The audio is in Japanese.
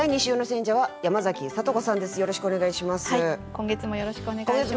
今月もよろしくお願いします。